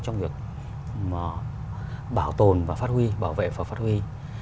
trong việc bảo tồn và phát huy bảo vệ và phát huy